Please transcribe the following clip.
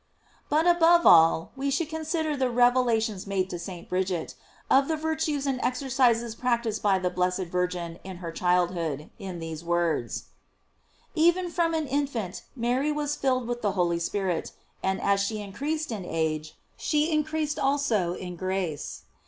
But above all, we should consider the rev* lations made to St. Bridget, of the virtues and exercises practised by the blessed Virgin in her childhood, in these words: "Even from an in fant Mary was filled with the Holy Spirit, and as she increased in age, she increased also in grace.